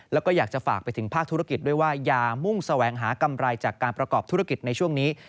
แล้วก็อยากจะฝากไปถึงภาคธุรกิจด้วยว่าอย่ามุ่งแสวงหากำไรจากการประกอบธุรกิจในช่วงนี้